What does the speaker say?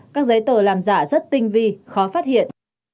các giấy tờ làm giả rất tinh vi khó phát hiện